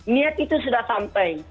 niat itu sudah sampai